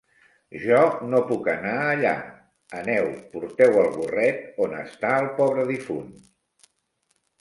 Jo no puc anar allà. Aneu, porteu el burret on està el pobre difunt.